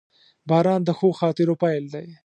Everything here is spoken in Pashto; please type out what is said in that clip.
• باران د ښو خاطرو پیل دی.